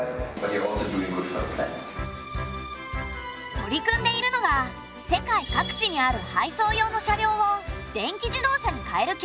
取り組んでいるのが世界各地にある配送用の車両を電気自動車にかえる計画。